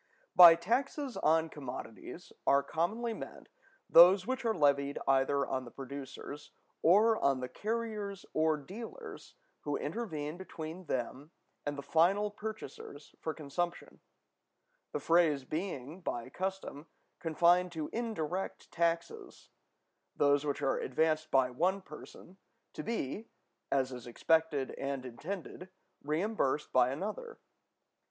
By taxes on commodities are commonly meant those which are levied either on the producers, or on the carriers or dealers who intervene between them and the final purchasers for consumption; the phrase being, by custom, confined to indirect taxes—those which are advanced by one person, to be, as is expected and intended, reimbursed by another.